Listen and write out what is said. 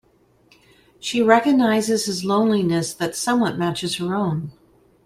She recognizes his loneliness that somewhat matches her own.